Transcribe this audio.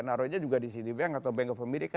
naruh aja juga di citibank atau bank of america